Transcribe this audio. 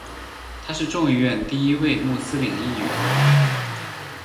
他是众议院第一位穆斯林议员。